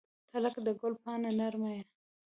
• ته لکه د ګل پاڼه نرمه یې.